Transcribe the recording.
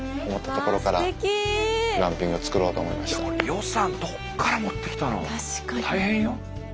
予算どこから持ってきたの？大変よ。